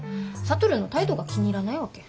智の態度が気に入らないわけ。